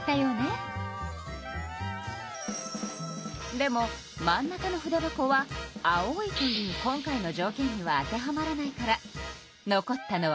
でも真ん中の筆箱は「青い」という今回のじょうけんには当てはまらないから残ったのは２つ。